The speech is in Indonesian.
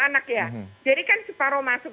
anak ya jadi kan separoh masuk